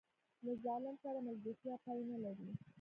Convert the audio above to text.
له ظالم سره ملګرتیا پای نه لري.